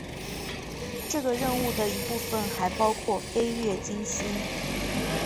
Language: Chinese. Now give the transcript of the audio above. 这个任务的一部分还包括飞越金星。